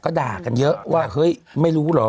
ก็ด่ากันเยอะว่าเฮ้ยไม่รู้เหรอ